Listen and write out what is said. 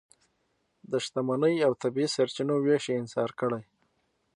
د شتمنۍ او طبیعي سرچینو وېش انحصار کړي.